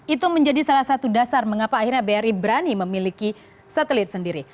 itu menjadi salah satu dasar mengapa akhirnya bri berani memiliki satelit sendiri